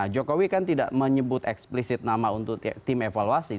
jokowi kan tidak menyebut eksplisit nama untuk tim evaluasi